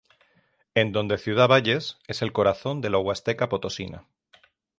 En donde ciudad Valles es el corazón de la Huasteca Potosina.